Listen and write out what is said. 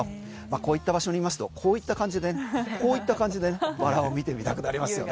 こういった場所にいますとこういった感じでこういった感じで空を見てみたくなりますよ。